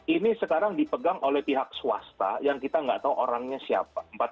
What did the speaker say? ini sekarang dipegang oleh pihak swasta yang kita nggak tahu orangnya siapa